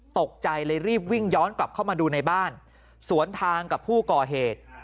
ตกใจเลยรีบวิ่งย้อนกลับเข้ามาดูในบ้านสวนทางกับผู้ก่อเหตุ